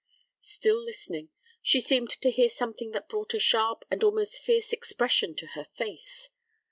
Still listening, she seemed to hear something that brought a sharp and almost fierce expression to her face.